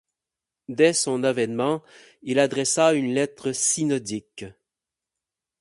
Dès son avènement, il adressa une lettre synodique.